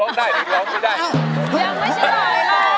ยังไม่ใช่หล่อยเลย